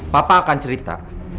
papa akan cerita